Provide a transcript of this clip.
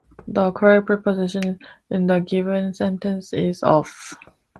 The correct preposition in the given sentence is "of".